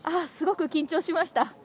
すごく緊張しました。